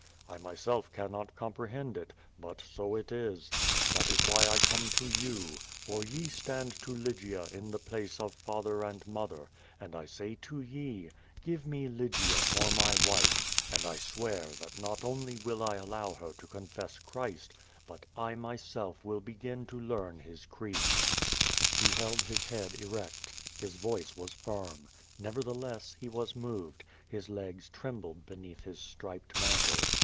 I myself cannot comprehend it, but so 2^6 QUO VADT8. it is. That is why I come to you, for ye stand to Lygia in the place of father and mother, and I say to ye, *Give me Lygia for my wife, and I swear that not only will I allow her to confess Christ, but I myself will begin to learn His creed.' " j He held his head erect. His voice was firm. Xevertheless r he was moved. His legs trembled beneath his striped man tle.